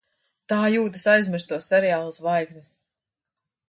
Tā jūtas aizmirsto seriālu zvaigznes.